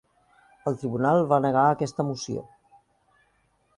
El tribunal va negar aquesta moció.